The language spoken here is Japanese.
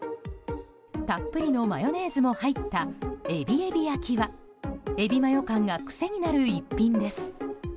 たっぷりのマヨネーズも入ったえびえび焼きはエビマヨ感が癖になる一品です。